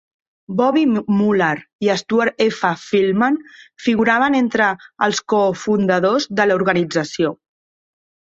Bobby Muller i Stuart F. Feldman figuraven entre els cofundadors de l'organització.